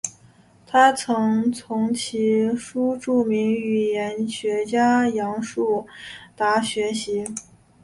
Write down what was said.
他曾从其叔著名语言学家杨树达学习。